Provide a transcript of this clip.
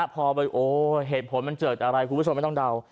เพราะโฮเหตุผลมันเจอกับอะไรผู้ชมไม่ต้องเดา